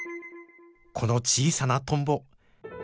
この小さなトンボ。